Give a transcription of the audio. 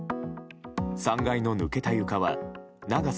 ３階の抜けた床は長さ